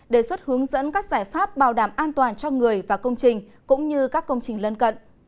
đề xuất hướng dẫn các giải pháp bảo đảm an toàn cho người và công trình cũng như các công trình lân cận